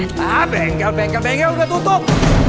kita bengkel bengkel bengkel udah tutup